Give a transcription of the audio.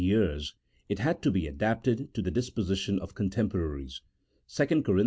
men's ears it had to be adapted to the disposition of con temporaries (2 Cor.